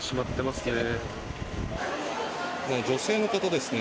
女性の方ですね。